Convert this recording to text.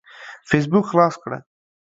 فيسبوک خلاص کړه.